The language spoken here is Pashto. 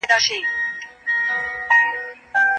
د دلارام په بازار کي د خوراکي توکو بیې مناسبې دي.